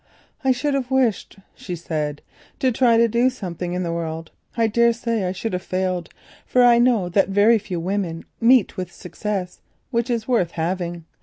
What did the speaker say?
"I should have wished," she said, "to try to do something in the world. I daresay I should have failed, for I know that very few women meet with a success which is worth having.